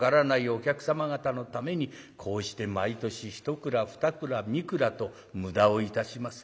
お客様方のためにこうして毎年一蔵二蔵三蔵と無駄をいたします。